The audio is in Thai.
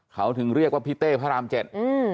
เขาถึงเรียกว่าพี่เต้พระรามเจ็ดอืม